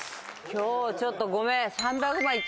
今日ちょっとごめん。